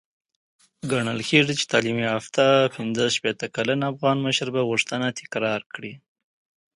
ګڼل کېږي چې تعليم يافته پنځه شپېته کلن افغان مشر به غوښتنه تکرار کړي.